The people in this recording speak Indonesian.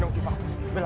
kamu tidak butuh papa